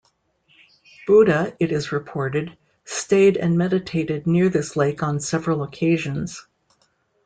Buddha, it is reported, stayed and meditated near this lake on several occasions.